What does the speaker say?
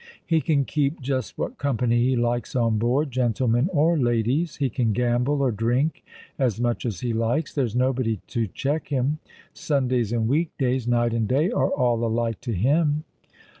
" He can keep just what company he likes on board — gentlemen or ladies. He can gamble — or drink — as much as he likes. There's nobody to check him. Sundays and weekdays, night and day, are all alike to him."